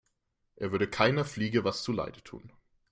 Er würde keiner Fliege was zu Leide tun.